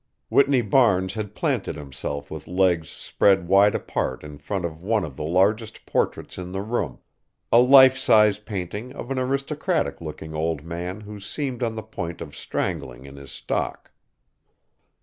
Whitney Barnes had planted himself with legs spread wide apart in front of one of the largest portraits in the room, a life size painting of an aristocratic looking old man who seemed on the point of strangling in his stock.